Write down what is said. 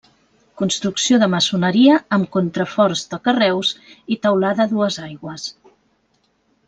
Construcció de maçoneria amb contraforts de carreus i teulada a dues aigües.